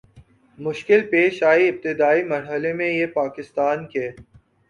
مشکل پیش آئی ابتدائی مر حلے میں یہ پاکستان کے